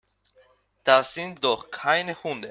Das sind doch keine Hunde.